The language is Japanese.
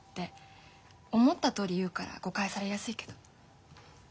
思ったとおり言うから誤解されやすいけど。